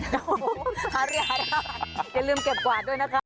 อย่าลืมเก็บกวาดด้วยนะครับ